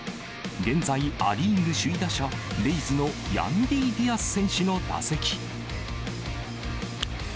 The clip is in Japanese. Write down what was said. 現在、ア・リーグ首位打者、レイズのヤンディ・ディアス選手の打席。